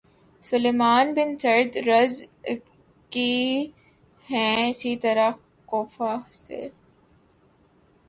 سلیمان بن سرد رض کے ہیں اسی طرح کوفہ سے